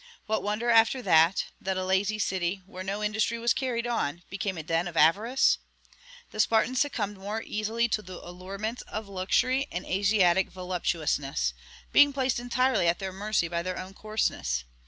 What wonder, after that, that a lazy city, where no industry was carried on, became a den of avarice? The Spartans succumbed the more easily to the allurements of luxury and Asiatic voluptuousness, being placed entirely at their mercy by their own coarseness.